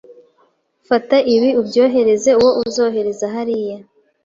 Fata ibi ubyohereze uwo uzohereza hariya